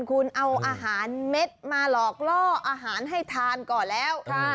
คุณเอาอาหารเม็ดมาหลอกล่ออาหารให้ทานก่อนแล้ว